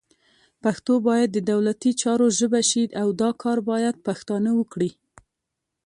پښتو باید د دولتي چارو ژبه شي، او دا کار باید پښتانه وکړي